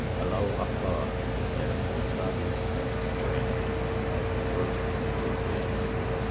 "Allahu Akbar," he said, "God is most great," as he burst into tears.